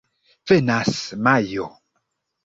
Venas Majo.